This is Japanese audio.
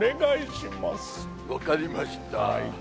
分かりました。